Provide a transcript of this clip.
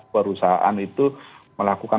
perusahaan itu melakukan